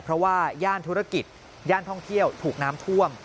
เพราะว่าย่านธุรกิจย่านท่องเที่ยวถูกน้ำท่วม